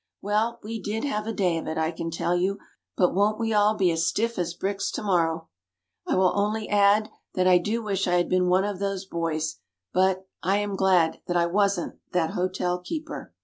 "Well, we did have a day of it, I can tell you but won't we all be as stiff as bricks to morrow!" I will only add that I do wish I had been one of those boys; but I am glad that I wasn't that hotel keeper.